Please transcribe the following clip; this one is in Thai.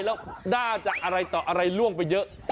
แล้วหน้าจะอะไรล่วงไปเยอะ